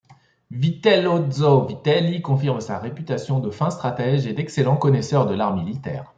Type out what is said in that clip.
Vitellozzo Vitelli confirme sa réputation de fin stratège et d'excellent connaisseur de l'art militaire.